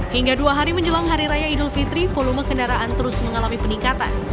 hingga dua hari menjelang hari raya idul fitri volume kendaraan terus mengalami peningkatan